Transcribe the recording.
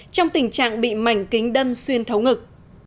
trong tình trạng bị mảnh kính đâm xuyên thấu ngực